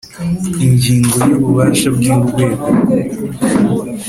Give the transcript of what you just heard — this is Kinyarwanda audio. Ingingo ya ububasha bw urwego